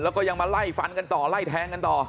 แล้วก็ยังมาไล่ฟันกันต่อไล่แทงกันต่อ